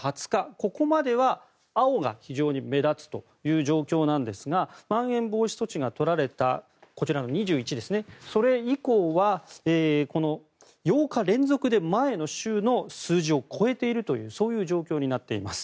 ここまでは青が非常に目立つという状況なんですがまん延防止措置がとられた２１日以降は８日連続で前の週の数字を超えているというそういう状況になっています。